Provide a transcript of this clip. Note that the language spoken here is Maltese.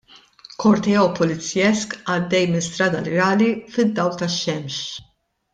Korteo pulizjesk għaddej minn Strada Rjali fid-dawl tax-xemx.